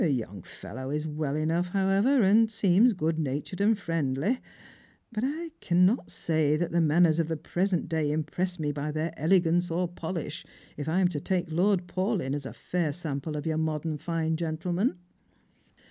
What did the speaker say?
The young fellow is well enough, however, and seems good natured and friendly; but I cannot say that the manners of the present day impress me by their elegance or their polish, if I am to take Lord Paulyn as a fair sample of your modern fine gentleman."